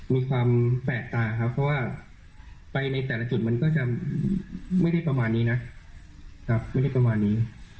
มีความแปลกตาครับไปในแต่ละจุดมันไม่ได้ประมาณนี้